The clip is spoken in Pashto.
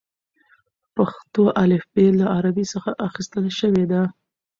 پښتو الفبې له عربي څخه اخیستل شوې ده.